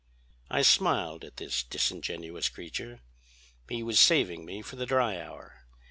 "I smiled at this disingenuous creature. He was saving me for the dry hour.